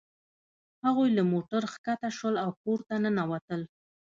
هغوی له موټر ښکته شول او کور ته ننوتل